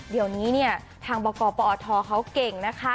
เดี๋ยวนี้เนี่ยทางบอกอกประอธอทค์เขาเก่งนะคะ